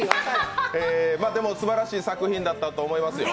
でもすばらしい作品だったと思いますよ。